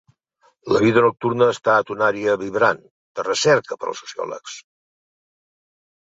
La vida nocturna ha estat una àrea vibrant de recerca per als sociòlegs.